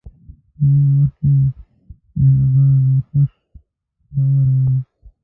په عین وخت کې مهربان او خوش باوره وو.